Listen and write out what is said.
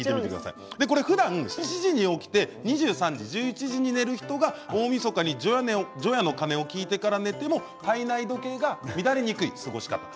ふだん７時に起きて２３時にねる人が大みそかに除夜の鐘を聞いてから寝る人も体内時計が乱れにくい過ごし方です。